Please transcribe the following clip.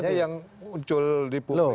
ini yang muncul di publik